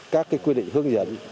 các quy định hướng dẫn